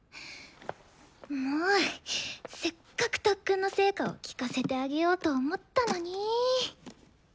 もうせっかく特訓の成果を聴かせてあげようと思ったのにぃ。